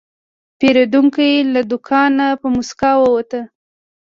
پیرودونکی له دوکانه په موسکا ووت.